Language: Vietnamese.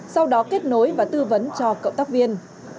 sau đó kết nối và tư vấn cho cộng tác viên